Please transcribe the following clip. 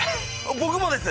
僕もです！